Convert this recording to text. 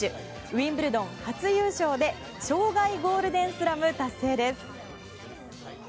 ウィンブルドン初優勝で生涯ゴールデンスラム達成です。